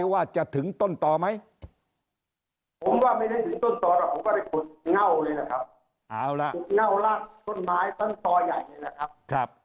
กดเง่าล่ะต้นไม้ต้นต่อใหญ่เลยนะครับ